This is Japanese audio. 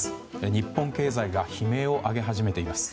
日本経済が悲鳴を上げ始めています。